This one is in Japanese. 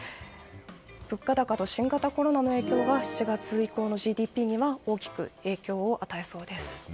物価高と新型コロナの影響は７月以降のＧＤＰには大きく影響を与えそうです。